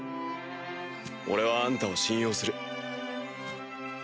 俺はあんたを信用する。